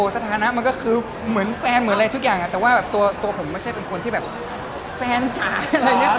สถานะมันก็คือเหมือนแฟนเหมือนอะไรทุกอย่างแต่ว่าแบบตัวผมไม่ใช่เป็นคนที่แบบแฟนจ๋าอะไรอย่างนี้